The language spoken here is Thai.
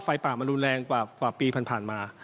ไฟป่ามันรุนแรงกว่าปีที่ผ่านมา